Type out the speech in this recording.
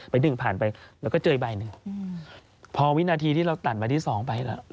ไปหนึ่งผ่านไปแล้วก็เจออีกใบหนึ่งอืมพอวินาทีที่เราตัดไปที่สองไปแล้ว